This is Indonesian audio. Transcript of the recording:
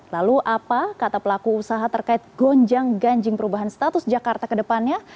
lalu apa kata pelaku usaha terkait gonjang ganjing perubahan status jakarta kedepannya